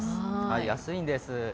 安いんです。